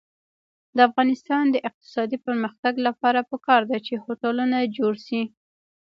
د افغانستان د اقتصادي پرمختګ لپاره پکار ده چې هوټلونه جوړ شي.